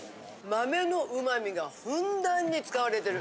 豆の旨味がふんだんに使われてる。